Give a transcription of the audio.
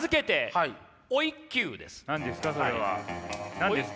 何ですか？